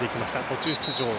途中出場。